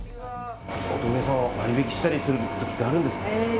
割引したりする時ってあるんですか。